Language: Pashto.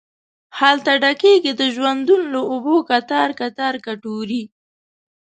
هلته ډکیږې د ژوندون له اوبو کتار، کتار کټوري